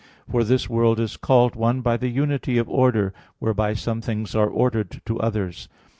For this world is called one by the unity of order, whereby some things are ordered to others.